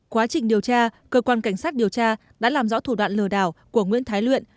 quá trình điều tra cơ quan cảnh sát điều tra đã làm rõ thủ đoạn lừa đảo của nguyễn thái luyện